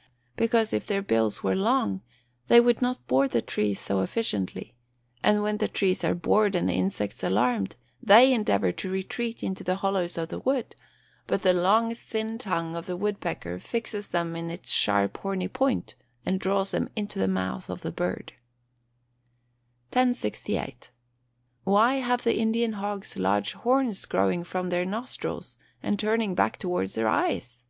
_ Because, if their bills were long, they would not bore the trees so efficiently; and when the trees are bored, and the insects alarmed, they endeavour to retreat into the hollows of the wood; but the long thin tongue of the woodpecker fixes them on its sharp horny point, and draws them into the mouth of the bird. 1068. _Why have the Indian hogs large horns growing from their nostrils and turning back towards their eyes?